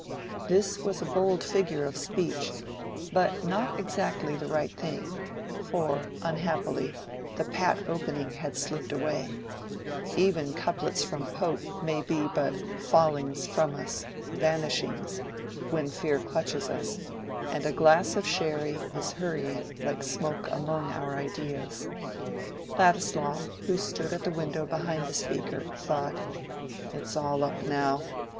This was a bold figure of speech, but not exactly the right thing; for, unhappily, the pat opening had slipped away—even couplets from Pope may be but "fallings from us, vanishings," when fear clutches us, and a glass of sherry is hurrying like smoke among our ideas. Ladislaw, who stood at the window behind the speaker, thought, "it's all up now.